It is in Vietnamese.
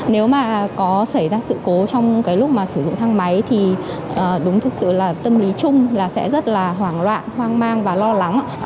nếu mà có xảy ra sự cố trong cái lúc mà sử dụng thang máy thì đúng thực sự là tâm lý chung là sẽ rất là hoảng loạn hoang mang và lo lắng